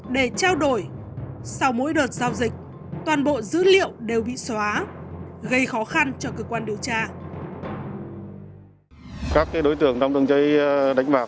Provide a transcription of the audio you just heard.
để trao đổi sau mỗi đợt giao dịch toàn bộ dữ liệu đều bị xóa gây khó khăn cho cơ quan điều tra